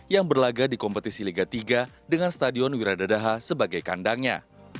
yang berlaga di kompetisi liga tiga dengan stadion wiradadaha sebagai kandangnya